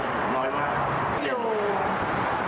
อยู่ห้าสิบปีไม่เคยกับเราอ่ะ